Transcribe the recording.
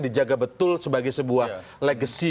dijaga betul sebagai sebuah legacy